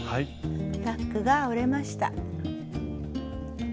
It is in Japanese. タックが折れました。